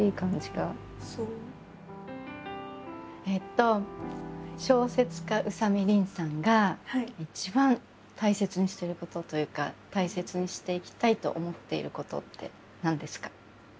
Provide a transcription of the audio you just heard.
えっと小説家宇佐見りんさんが一番大切にしていることというか大切にしていきたいと思っていることって何ですか？